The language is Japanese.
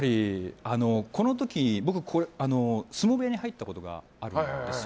僕、相撲部屋に入ったことがあるんですよ。